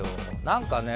何かね